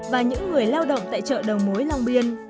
và những người lao động tại chợ đầu mối long biên